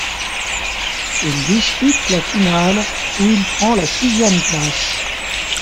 Il dispute la finale, où il prend la sixième place.